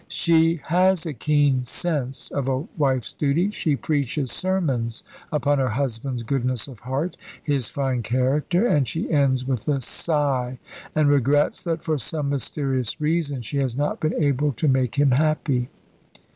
"She has a keen sense of a wife's duty: she preaches sermons upon her husband's goodness of heart, his fine character; and she ends with a sigh, and regrets that for some mysterious reason she has not been able to make him happy."